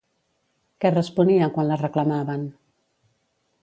Què responia quan la reclamaven?